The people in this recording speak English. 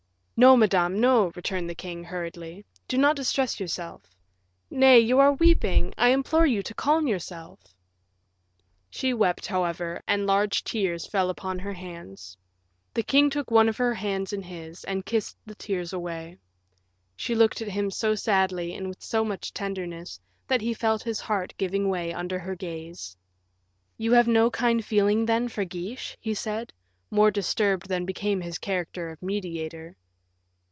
"No, madame, no," returned the king, hurriedly; "do not distress yourself. Nay, you are weeping. I implore you to calm yourself." She wept, however, and large tears fell upon her hands; the king took one of her hands in his, and kissed the tears away. She looked at him so sadly and with so much tenderness that he felt his heart giving way under her gaze. "You have no kind of feeling, then, for Guiche?" he said, more disturbed than became his character of mediator.